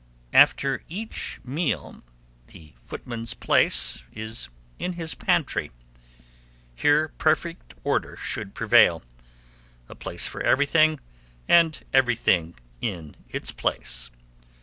After each meal, the footman's place is in his pantry: here perfect order should prevail a place for everything and everything in its place.